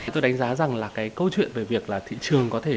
tôi đánh giá rằng là cái câu chuyện về việc là thị trường có thể